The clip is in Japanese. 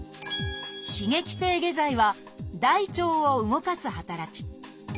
「刺激性下剤」は大腸を動かす働き。